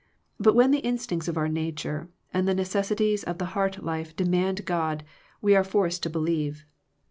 But when the instincts of our nature, and the necessi ties of the heart life demand God, we are forced to believe.